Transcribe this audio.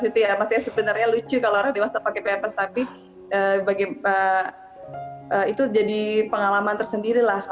itu sebenarnya lucu kalau orang dimaksud pakai pemper tapi itu jadi pengalaman tersendiri lah